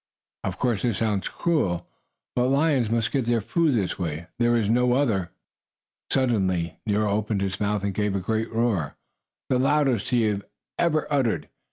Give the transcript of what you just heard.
Of course this sounds cruel, but lions must get their food this way; there is no other. Suddenly Nero opened his mouth and gave a great roar, the loudest he had ever uttered.